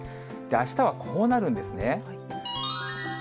あしたはこうなるんですね。